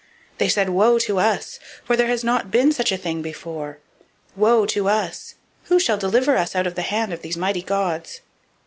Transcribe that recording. They said, Woe to us! for there has not been such a thing heretofore. 004:008 Woe to us! who shall deliver us out of the hand of these mighty gods?